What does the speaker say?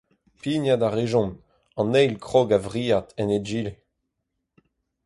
Pignat a rejont, an eil krog a-vriad en egile.